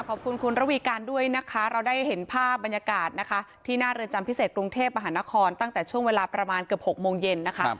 ขอบคุณคุณระวีการด้วยนะคะเราได้เห็นภาพบรรยากาศนะคะที่หน้าเรือนจำพิเศษกรุงเทพมหานครตั้งแต่ช่วงเวลาประมาณเกือบ๖โมงเย็นนะคะ